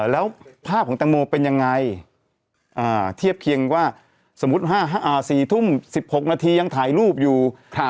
แล้วภาพของแตงโมเป็นยังไงเทียบเคียงว่าสมมุติ๔ทุ่ม๑๖นาทียังถ่ายรูปอยู่